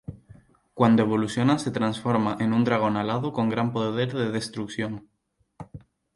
Cuando evoluciona se transforma en un dragón alado con gran poder de destrucción.